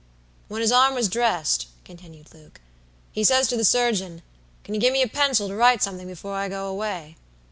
"When his arm was dressed," continued Luke, "he says to the surgeon, 'Can you give me a pencil to write something before I go away?'